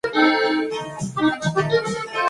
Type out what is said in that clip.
Las dos parejas se separan.